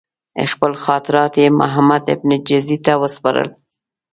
خپل خاطرات یې محمدبن جزي ته وسپارل.